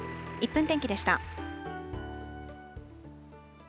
１分天気でした。